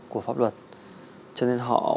của pháp luật cho nên họ